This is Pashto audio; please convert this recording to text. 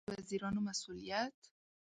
د وزیرانو مسوولیت